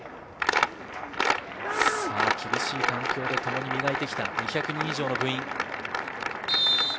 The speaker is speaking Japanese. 厳しい環境でともに磨いて来た２００人以上の部員。